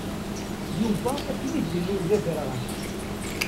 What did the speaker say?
Yuba akken i d-ilul d aderɣal.